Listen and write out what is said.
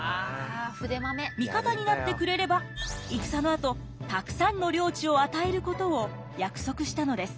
味方になってくれれば戦のあとたくさんの領地を与えることを約束したのです。